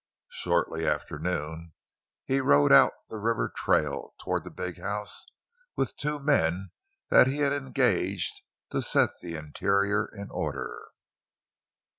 Shortly after noon he rode out the river trail toward the big house with two men that he had engaged to set the interior in order.